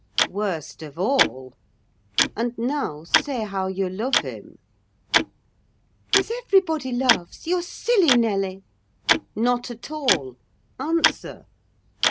"Worst of all. And now, say how you love him?" "As everybody loves—You're silly, Nelly." "Not at all—Answer."